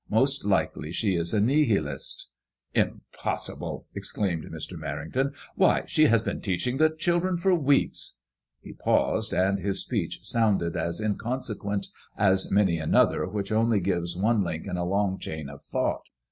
Most likely she is a Nihilist," Impossible I " exclaimed Mr. Merrington. "Why, she has been teaching the children for weeks " He paused, and his speech sounded as inconsequent as many another which only gives one link in a long chain of thought.